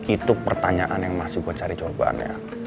itu pertanyaan yang masih gue cari jawabannya